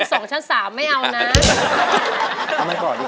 เพื่อจะไปชิงรางวัลเงินล้าน